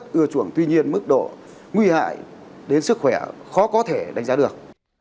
thừa chuẩn tuy nhiên mức độ nguy hại đến sức khỏe khó có thể đánh giá được